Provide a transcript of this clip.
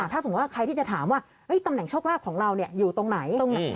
ถ้าสมมุติว่าใครที่จะถามว่าตำแหนโชคลาภของเราอยู่ตรงไหน